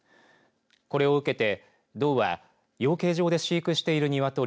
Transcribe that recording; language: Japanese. これを受けて道は養鶏場で飼育している鶏